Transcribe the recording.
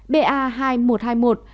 ba hai nghìn một trăm hai mươi một của omicron